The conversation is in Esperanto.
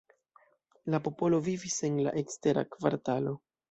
La popolo vivis en la ekstera kvartalo.